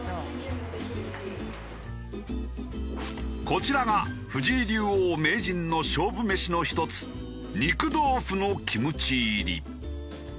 こちらが藤井竜王・名人の勝負メシの１つ肉豆腐のキムチ入り。